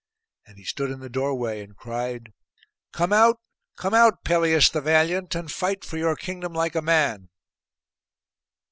And he stood in the doorway and cried, 'Come out, come out, Pelias the valiant, and fight for your kingdom like a man.